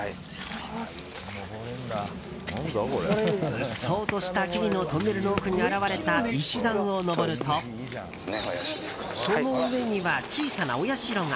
うっそうとした木々のトンネルの奥に現れた石段を上るとその上には小さなお社が。